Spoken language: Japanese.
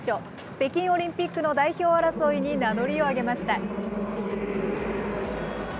北京オリンピックの代表争いに名乗りをあげました。